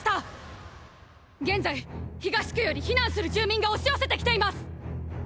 現在東区より避難する住民が押し寄せて来ています！！